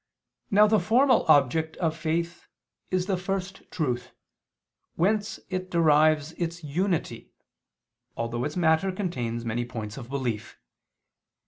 Now the formal object of faith is the First Truth, whence it derives its unity, although its matter contains many points of belief.